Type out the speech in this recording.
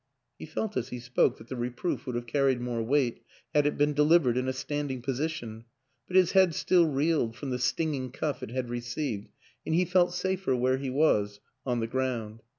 He felt as he spoke that the reproof would have carried more weight had it been delivered in a standing position; but his head still reeled from the stinging cuff it had received and he felt safer where he was on the ground.